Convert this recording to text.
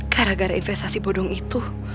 gara gara investasi bodong itu